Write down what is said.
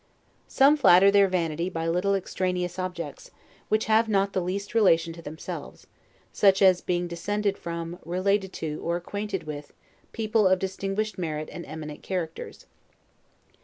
Some flatter their vanity by little extraneous objects, which have not the least relation to themselves; such as being descended from, related to, or acquainted with, people of distinguished merit and eminent characters.